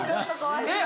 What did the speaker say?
えっ！